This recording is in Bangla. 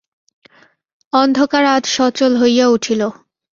অন্ধকার আজ সচল হইয়া উঠিল।